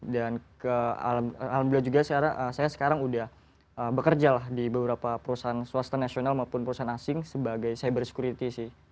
dan alhamdulillah juga saya sekarang udah bekerja lah di beberapa perusahaan swasta nasional maupun perusahaan asing sebagai cyber security sih